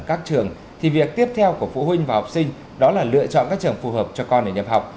các trường thì việc tiếp theo của phụ huynh và học sinh đó là lựa chọn các trường phù hợp cho con để nhập học